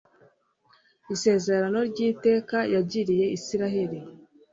isezerano ry'iteka yagiriye israheli